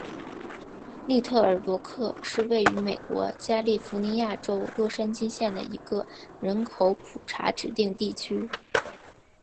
利特尔罗克是位于美国加利福尼亚州洛杉矶县的一个人口普查指定地区。